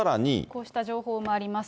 こうした情報もあります。